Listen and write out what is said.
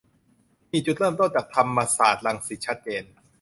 มีจุดเริ่มจากธรรมศาสตร์รังสิตชัดเจน